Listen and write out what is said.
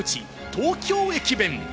東京駅弁。